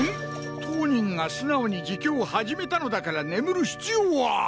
当人が素直に自供を始めたのだから眠る必要は。